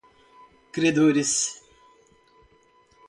credores